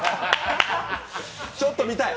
ちょっと見たい。